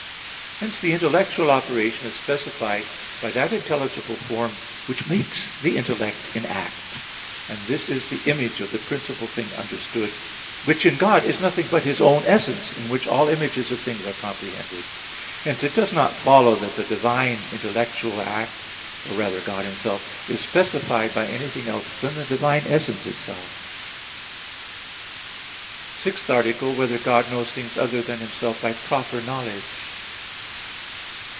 Hence the intellectual operation is specified by that intelligible form which makes the intellect in act. And this is the image of the principal thing understood, which in God is nothing but His own essence in which all images of things are comprehended. Hence it does not follow that the divine intellectual act, or rather God Himself, is specified by anything else than the divine essence itself. _______________________ SIXTH ARTICLE [I, Q. 14, Art. 6] Whether God Knows Things Other Than Himself by Proper Knowledge?